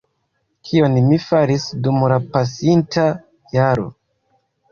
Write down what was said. kion mi faris dum la pasinta jaro.